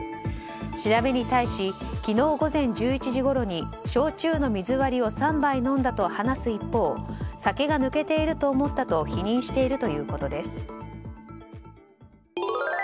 調べに対し昨日午前１１時ごろに焼酎の水割りを３杯飲んだと話す一方酒が抜けていると思ったと否認しているということです。